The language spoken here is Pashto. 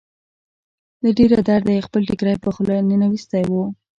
له ډېره درده يې خپل ټيکری په خوله ننوېستی و.